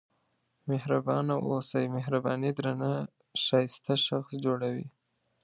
مهربانه واوسئ مهرباني درنه ښایسته شخص جوړوي.